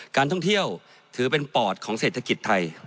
การท่องเที่ยวถือเป็นปอดของเศรษฐกิจไทย